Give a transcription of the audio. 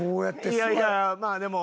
いやいやまあでも。